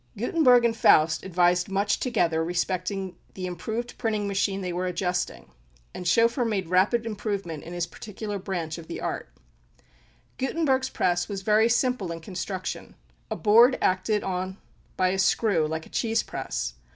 [Illustration: ANCIENT PRESS.] Gutenberg and Faust advised much together respecting the improved printing machine they were adjusting, and Schoeffer made rapid improvement in his particular branch of the art. Gutenberg's press was very simple in construction, a board acted on by a screw, like a cheese press.